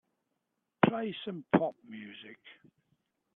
Play some pop music.